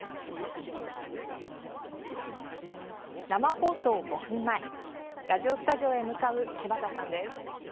生放送５分前ラジオスタジオへ向かう柴田さんです。